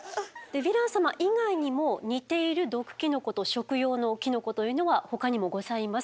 ヴィラン様以外にも似ている毒キノコと食用のキノコというのはほかにもございます。